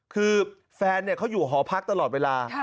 คือแฟนเขาอยู่หอพักตลอดเวลา